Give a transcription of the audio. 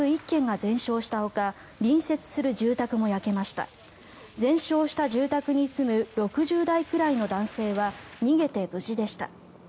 全焼した住宅に住む６０代くらいの男性は逃げて無事でした。